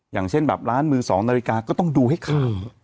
อย่างเช่นแบบร้านมือ๒นาฬิกาก็ต้องดูให้ข่าว